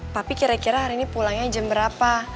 tapi kira kira hari ini pulangnya jam berapa